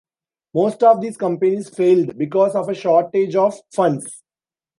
Most of these companies failed because of a shortage of funds.